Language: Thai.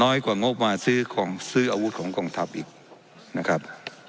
น้อยกว่างงบมาซื้ออาวุธของกองทัพอีกนะครับ